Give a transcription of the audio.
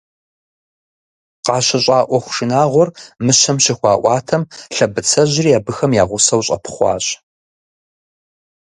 КъащыщӀа Ӏуэху шынагъуэр Мыщэм щыхуаӀуатэм, лъэбыцэжьри абыхэм я гъусэу щӀэпхъуащ.